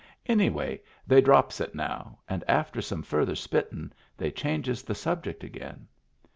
Anyway they drops it now, and after some further spittin' they changes the subject again.